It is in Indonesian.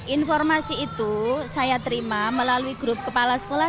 informasi itu saya terima melalui grup kepala sekolah